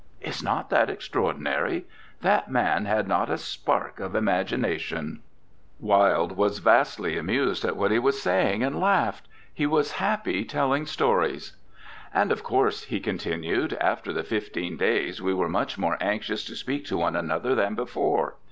Is not that extraordinary? That man had not a spark of imagination.' Wilde was vastly amused at what he was saying, and laughed he was happy telling stories. 'And, of course,' he continued, 'after the fifteen days we were much more anxious to speak to one another than before.